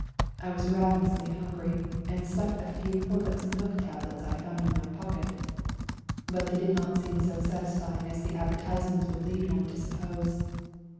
I was ravenously hungry, and sucked a few Horlick's milk tablets I found in my pocket, but they did not seem so satis A RIDE TO KALABAC 73 fying as the advertisements would lead one to suppose.